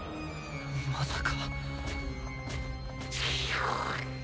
まさか。